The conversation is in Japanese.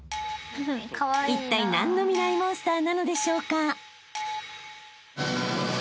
［いったい何のミライ☆モンスターなのでしょうか］